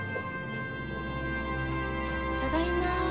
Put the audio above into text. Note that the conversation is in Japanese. ただいま。